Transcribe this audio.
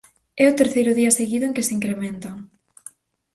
É o terceiro día seguido en que se incrementan.